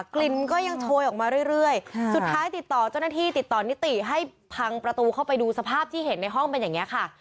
กลิ่นก็ยังโชยออกมาเรื่อยสุดท้ายติดต่อเจ้าหน้าที่ติดต่อนิติให้พังประตูเข้าไปดูสภาพที่เห็นในห้องเป็นอย่างนี้ค่ะ